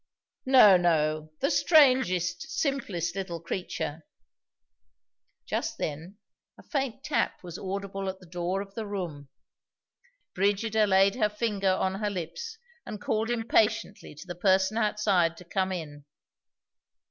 "No, no; the strangest, simplest little creature " Just then a faint tap was audible at the door of the room. Brigida laid her finger on her lips, and called impatiently to the person outside to come in.